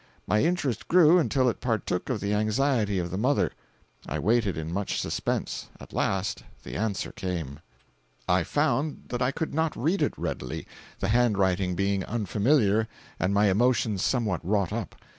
My interest grew, until it partook of the anxiety of the mother. I waited in much suspense.—At last the answer came. 509.jpg (127K) "I found that I could not read it readily, the handwriting being unfamiliar and my emotions somewhat wrought up.